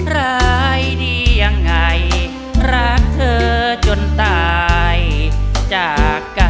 ร้ายดียังไงรักเธอจนตายจากกัน